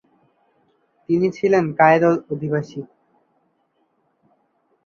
তিনি ছিলেন কায়রোর অধিবাসী।